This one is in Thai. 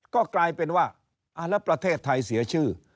ก็กลายเป็นว่าแล้วประเทศไทยเสียชื่อ